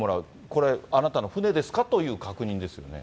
これ、あなたの船ですかという確認ですよね。